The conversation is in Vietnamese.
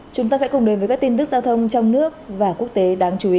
chúng ta sẽ cùng đến với các tin tức giao thông trong nước và quốc tế đáng chú ý